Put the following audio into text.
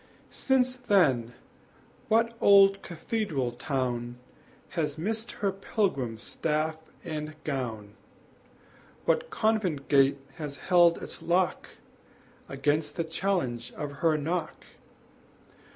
Since then what old cathedral town Has missed her pilgrim staff and gown, What convent gate has held its lock Against the challenge of her knock!